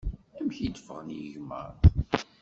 Amek i d-ffɣen yigmaḍ?